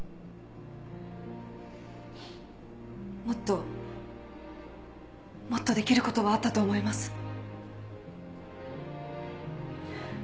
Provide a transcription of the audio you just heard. もっともっとできることはあったと思います。